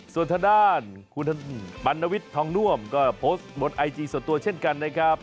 ส่วนทางด้านคุณปัณวิทย์ทองน่วมก็โพสต์บนไอจีส่วนตัวเช่นกันนะครับ